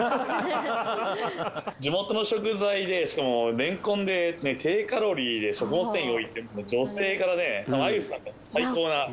地元の食材でしかもれんこんで低カロリーで食物繊維多いって女性からね相内さん最高な。